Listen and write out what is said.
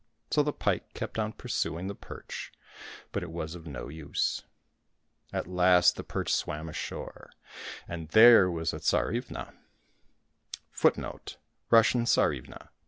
So the pike kept on pursuing the perch, but it was of no use. At last the perch swam ashore, and there was a Tsarivna^ whittling an ash twig.